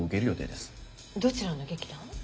どちらの劇団？